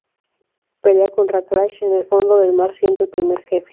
Pelea contra Crash en el fondo del mar siendo el primer jefe.